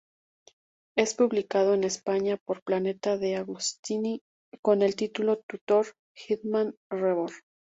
Es publicado en España por Planeta DeAgostini con el título "Tutor Hitman Reborn!".